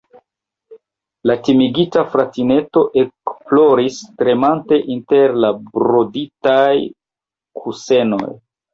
La timigata fratineto ekploris, tremante inter la broditaj kusenoj.